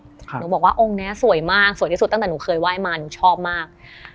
หนูบอกว่าองค์นี้สวยมากสวยที่สุดตั้งแต่หนูเคยไหว้มาหนูชอบมาก